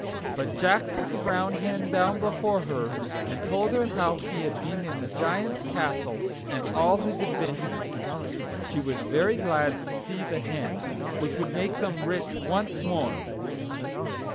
But Jack put the brown hen down before her, and told her how he had been in the Giant's castle, and all his adventures. She was very glad to see the hen, which would make them rich once more.